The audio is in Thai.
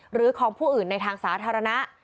หรือของผู้อื่นในทางสาธารณะ